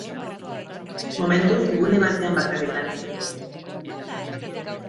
Momentuz, gune batean bakarrik lan egin dugu.